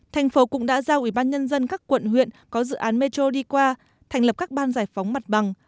thành phố cũng đã giao ubnd các quận huyện có dự án metro đi qua thành lập các ban giải phóng mặt bằng